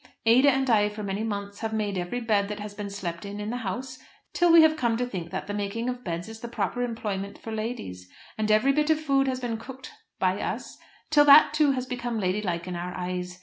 Ada and I for many months have made every bed that has been slept in in the house, till we have come to think that the making of beds is the proper employment for ladies. And every bit of food has been cooked by us, till that too has become ladylike in our eyes.